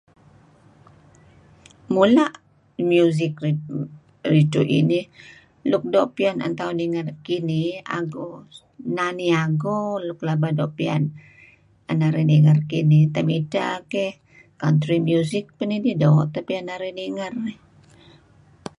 Mula' music nuk ridtu' inih. Luk doo' piyan en tauh ninger kinih nani ago nuk pelaba doo' pipya en narih ninger kinih. Teh misteh keyh country music pun doo' teh piyan narih ninger dih.